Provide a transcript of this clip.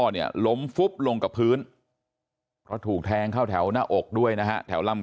เนี่ยล้มฟุบลงกับพื้นเพราะถูกแทงเข้าแถวหน้าอกด้วยนะฮะแถวลำ